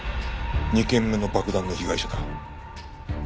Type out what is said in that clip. ２件目の爆弾の被害者だ。